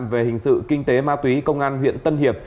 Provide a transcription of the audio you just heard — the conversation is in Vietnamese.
về hình sự kinh tế ma túy công an huyện tân hiệp